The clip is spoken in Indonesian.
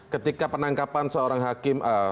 ketika penangkapan seorang hakim